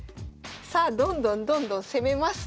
さあどんどんどんどん攻めます。